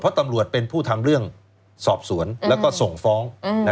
เพราะตำรวจเป็นผู้ทำเรื่องสอบสวนแล้วก็ส่งฟ้อง